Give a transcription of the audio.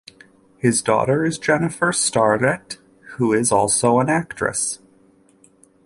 His daughter is Jennifer Starrett, who is also an actress.